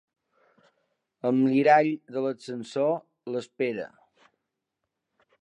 El mirall de l'ascensor l'espera.